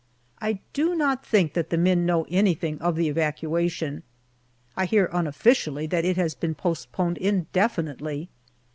I do not think that the men know anything of the evacuation. I hear unofficially that it has been postponed indefinitely.